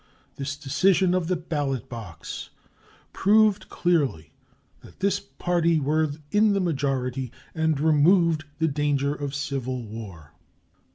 This decision of the ballot box proved clearly that this party were in the majority, and removed the danger of civil war.